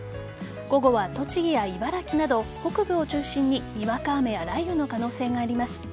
午後は、栃木や茨城など北部を中心ににわか雨や雷雨の可能性があります。